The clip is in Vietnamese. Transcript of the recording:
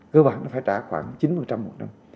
cơ bản là phải trả khoảng chín một năm